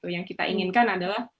yang kita inginkan adalah